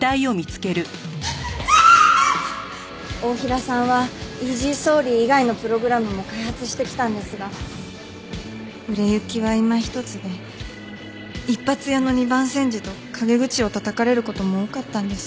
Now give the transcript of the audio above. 太平さんはイージーソーリー以外のプログラムも開発してきたんですが売れ行きはいま一つで「一発屋の二番煎じ」と陰口をたたかれる事も多かったんです。